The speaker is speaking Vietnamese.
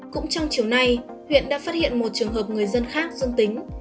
cũng trong chiều nay huyện đã phát hiện một trường hợp người dân khác dương tính